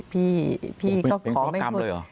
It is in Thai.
เป็นข้อกรรมเลยหรอ